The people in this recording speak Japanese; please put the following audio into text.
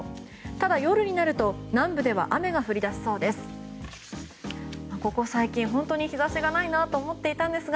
ただ夜になると南部では雨が降り出しそうです。